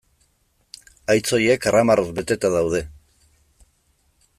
Haitz horiek karramarroz beteta daude.